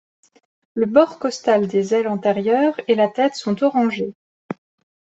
Le bord costal des ailes antérieures et la tête sont orangés.